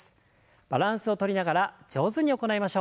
バランスをとりながら上手に行いましょう。